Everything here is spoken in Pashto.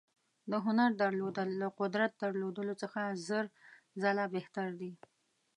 د هنر درلودل له قدرت درلودلو څخه زر ځله بهتر دي.